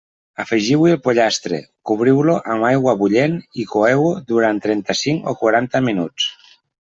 Afegiu-hi el pollastre, cobriu-lo amb aigua bullent i coeu-lo durant trenta-cinc o quaranta minuts.